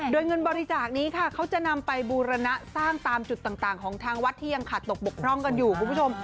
โดยเงินบริจาคนี้ค่ะเขาจะนำไปบูรณะสร้างตามจุดต่างของทางวัดที่ยังขาดตกบกพร่องกันอยู่คุณผู้ชม